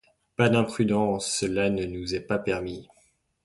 Pas d’imprudence ! cela ne nous est pas permis.